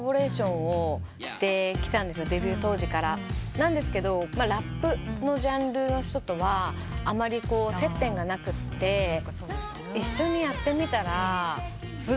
なんですけどラップのジャンルの人とはあまり接点がなくて。一緒にやってみたらすごい楽しくて。